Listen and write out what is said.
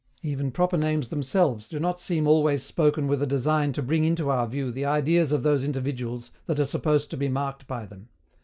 Even proper names themselves do not seem always spoken with a design to bring into our view the ideas of those individuals that are supposed to be marked by them.